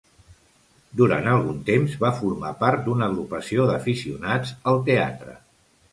Durant algun temps va formar part d'una agrupació d'aficionats al teatre.